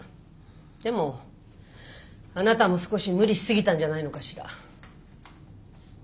でもあなたも少し無理し過ぎたんじゃないのかしら。